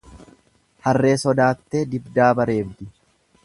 Harree sodaattee dibdaaba reebdi.